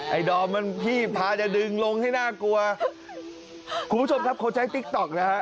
ดอมมันพี่พาจะดึงลงให้น่ากลัวคุณผู้ชมครับเขาใช้ติ๊กต๊อกนะฮะ